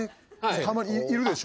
たまにいるでしょ？